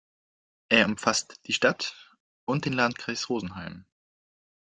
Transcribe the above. Er umfasst die Stadt und den Landkreis Rosenheim.